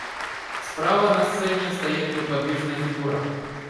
Справа на сцене стоит неподвижная фигура.